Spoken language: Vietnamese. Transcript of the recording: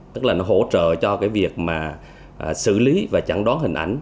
tức là nó hỗ trợ cho cái việc mà xử lý và chẳng đoán hình ảnh